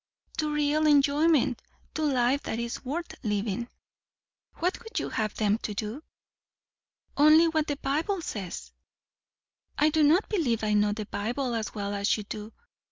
"To real enjoyment. To life that is worth living." "What would you have them do?" "Only what the Bible says." "I do not believe I know the Bible as well as you do.